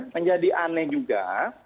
menjadi aneh juga